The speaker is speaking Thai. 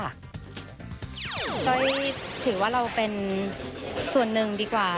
ถือว่าเราเป็นส่วนหนึ่งดีกว่า